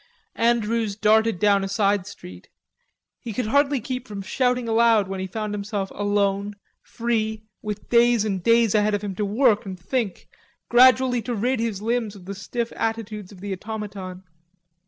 Andrews darted down a side street. He could hardly keep from shouting aloud when he found himself alone, free, with days and days ahead of him to work and think, gradually to rid his limbs of the stiff attitudes of the automaton.